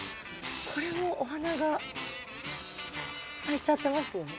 これもお花が咲いちゃってますよね。